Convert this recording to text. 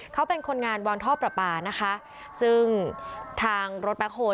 เขาเป็นคนงานวัณฑ์ท่อเปลปาซึ่งทางรถแปลคโฮ